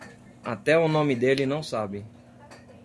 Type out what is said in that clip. Até o nome dele não sabe